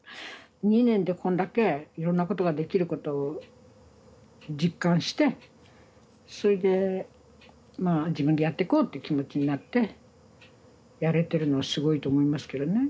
２年でこんだけいろんなことができることを実感してそれでまあ自分でやっていこうっていう気持ちになってやれてるのはすごいと思いますけどね。